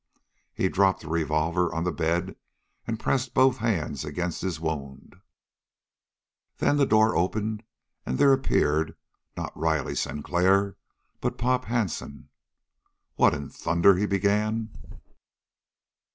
He dropped the revolver on the bed and pressed both hands against his wound. Then the door opened, and there appeared, not Riley Sinclair, but Pop Hansen. "What in thunder " he began.